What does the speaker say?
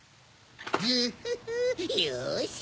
グフフよし！